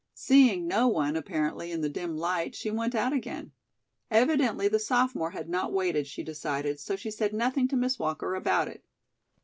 Seeing no one, apparently, in the dim light, she went out again. Evidently the sophomore had not waited, she decided, so she said nothing to Miss Walker about it.